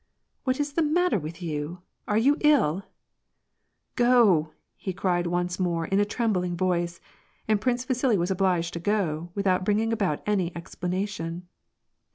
" What is the matter with you, are you ill ?"" Go !" he cried once more, in a trembling voice. And Prince Vasili was obliged to go, without bringing about any explanation.